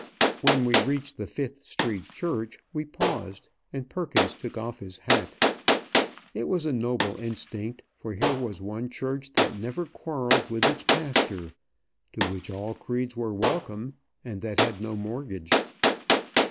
When we reached the Fifth Street Church, we paused, and Perkins took off his hat. It was a noble instinct, for here was one church that never quarrelled with its pastor, to which all creeds were welcome, and that had no mortgage.